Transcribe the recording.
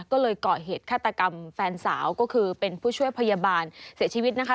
ก็เลยเกาะเหตุฆาตกรรมแฟนสาวก็คือเป็นผู้ช่วยพยาบาลเสียชีวิตนะคะ